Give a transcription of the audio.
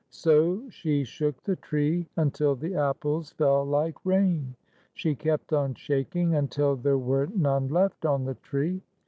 So she shook the tree until the apples fell like rain. She kept on shaking until there were none left on the tree.